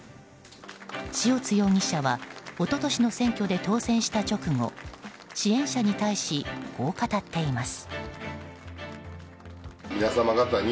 塩津容疑者は一昨年の選挙で当選した直後支援者に対し、こう語っています。